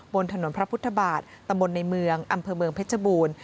บนถนนพระพุทธบาทตำบลในเมืองอำเภอเมืองเพชรบูรณ์